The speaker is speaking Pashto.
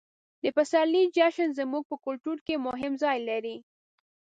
د پسرلي جشن زموږ په کلتور کې مهم ځای لري.